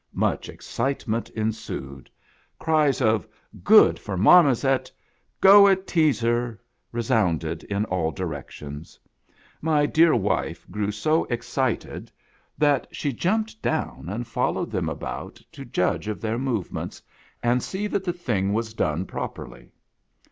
Much excitement ensued. Cries of " Good for Marmoset!" "Go it, Teazer !" resounded in all directions. My dear wife grew so excited that she H THE NEW SWISS FAMILY ROBINSON. jumped down and followed them about to judge of their movements, and see that the thing was done properly.